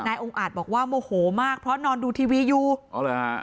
องค์อาจบอกว่าโมโหมากเพราะนอนดูทีวีอยู่อ๋อเลยฮะ